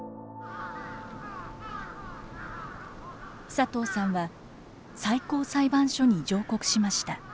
佐藤さんは最高裁判所に上告しました。